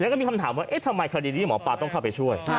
แล้วก็มีคำถามว่าเอ๊ะทำไมคดีนี้หมอปลาต้องเข้าไปช่วย